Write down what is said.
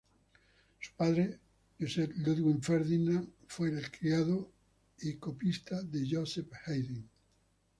Su padre, Joseph Ludwig Ferdinand, fue el criado y copista de Joseph Haydn.